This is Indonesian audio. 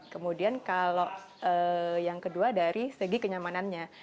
kemudian kalau yang kedua dari segi kenyamanannya